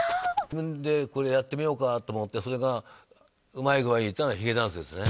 自分でこれやってみようかと思ってそれがうまい具合にいったのがヒゲダンスですね